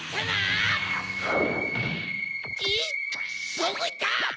どこいった？